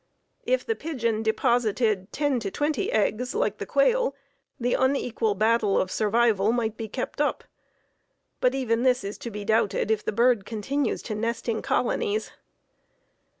If the pigeon deposited ten to twenty eggs like the quail the unequal battle of equal survival might be kept up. But even this is to be doubted if the bird continues to nest in colonies.